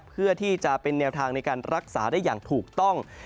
เพื่อที่จะเป็นแนวทางในการรักษาได้อย่างถูกต้อง